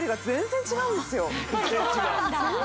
全然違う！